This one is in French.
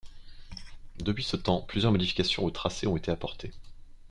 Depuis ce temps, plusieurs modifications au tracé ont été apportées.